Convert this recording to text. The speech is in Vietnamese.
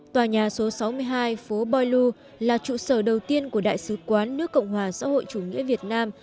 tòa nhà số sáu mươi hai phố boi lu là trụ sở đầu tiên của đại sứ quán nước cộng hòa xã hội chủ nghĩa việt nam